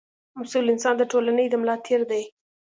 مسوول انسان د ټولنې د ملا تېر دی.